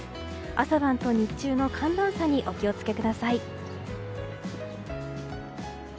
朝晩と日中の寒暖差にお気を付けください。